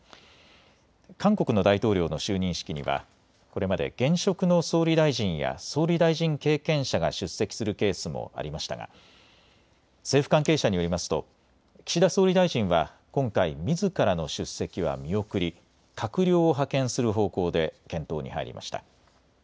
韓国の大統領の就任式にはこれまで現職の総理大臣や総理大臣経験者が出席するケースもありましたが政府関係者によりますと岸田総理大臣は今回、みずからの出席は見送り、閣僚を派遣する方向で検討に入りました。